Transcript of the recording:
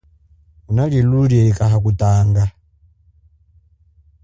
Nguna lilulieka hakutanga.